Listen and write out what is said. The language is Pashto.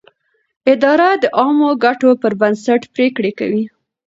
اداره د عامه ګټو پر بنسټ پرېکړې کوي.